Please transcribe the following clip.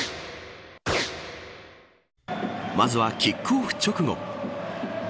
まずは、キックオフ直後。